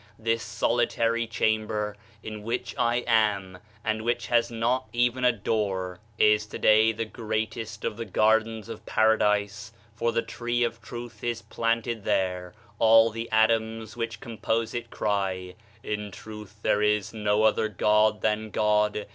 This solitary chamber (in which I am) and which has not even a door, is to day 42 THE SHINING PATHWAY the greatest of the gardens of Paradise, for the tree of truth is planted there, all the atoms which compose it cry: 'In truth there is no other God than God